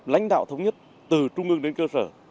lãnh đạo thống nhất từ trung ương đến cơ sở